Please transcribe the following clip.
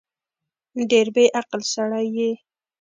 ډېر بیعقل سړی یې